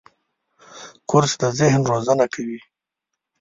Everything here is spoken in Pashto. کورس د ذهن روزنه کوي.